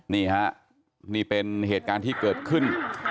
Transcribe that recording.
นี่ฮะนี่เป็นเหตุการณ์ที่เกิดขึ้น